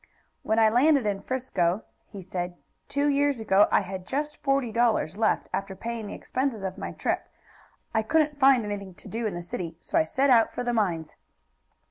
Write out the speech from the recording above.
"When I landed in 'Frisco," he said, "two years ago, I had just forty dollars left after paying the expenses of my trip. I couldn't find anything to do in the city, so I set out for the mines."